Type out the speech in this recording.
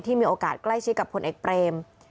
มีโอกาสใกล้ชิดกับพลเอกเปรม